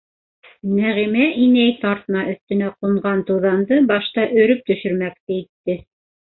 Нәғимә инәй тартма өҫтөнә ҡунған туҙанды башта өрөп төшөрмәксе итте.